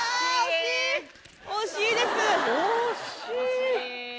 惜しいです。